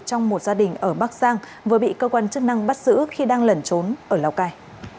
trong một gia đình ở bắc giang vừa bị cơ quan chức năng bắt giữ khi đang lẩn trốn ở lào cai